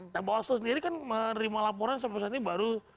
nah bawaslu sendiri kan menerima laporan sampai saat ini baru